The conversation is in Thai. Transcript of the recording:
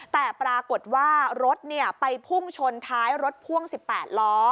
แต่ปรากฏว่ารถไปพุ่งชนท้ายรถพ่วง๑๘ล้อ